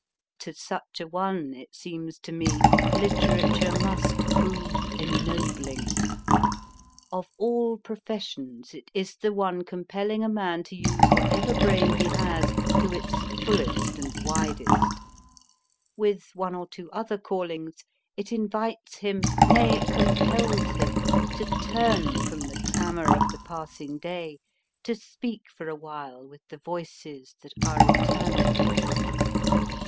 To such a one, it seems to me, literature must prove ennobling. Of all professions it is the one compelling a man to use whatever brain he has to its fullest and widest. With one or two other callings, it in vites him nay, compels him to turn from the clamour of the passing day to speak for a while with the voices that are eternal.